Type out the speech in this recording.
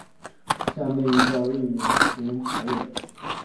下面依照日语五十音排列。